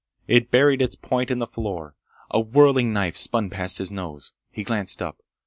It buried its point in the floor. A whirling knife spun past his nose. He glanced up.